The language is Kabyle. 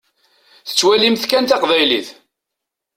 Tettwalimt kan taqbaylit.